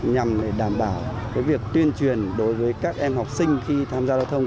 nhằm đảm bảo việc tuyên truyền đối với các em học sinh khi tham gia giao thông